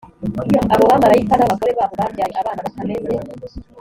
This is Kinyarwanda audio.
abo bamarayika n abagore babo babyaye abana batameze